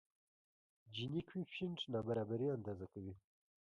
جیني کویفشینټ نابرابري اندازه کوي.